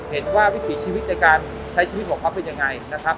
วิถีชีวิตในการใช้ชีวิตของเขาเป็นยังไงนะครับ